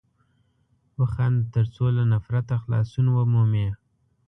وخانده تر څو له نفرته خلاصون ومومې!